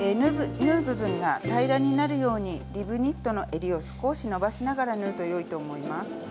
縫う部分が平らになるようにリブニットのえりを少し伸ばしながら縫うとよいと思います。